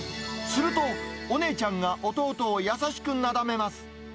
すると、お姉ちゃんが弟を優しくなだめます。